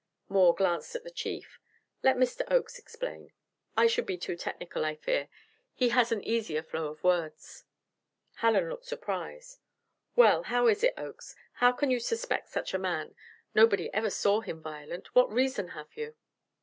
Moore glanced at the Chief. "Let Mr. Oakes explain I should be too technical, I fear; he has an easier flow of words." Hallen looked surprised. "Well, how is it, Oakes? How can you suspect such a man? Nobody ever saw him violent. What reason have you?"